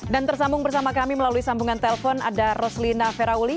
dan tersambung bersama kami melalui sambungan telpon ada roslina ferauli